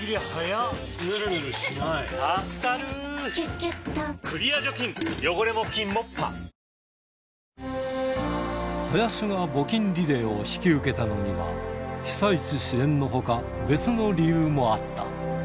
ちょっときつくなってきたから、林が募金リレーを引き受けたのには、被災地支援のほか、別の理由もあった。